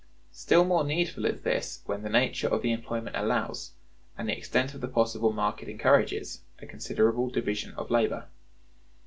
Still more needful is this when the nature of the employment allows, and the extent of the possible market encourages, a considerable division of labor.